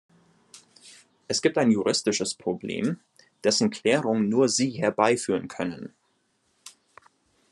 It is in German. Es gibt ein juristisches Problem, dessen Klärung nur Sie herbeiführen können.